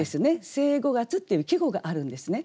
「聖五月」っていう季語があるんですね。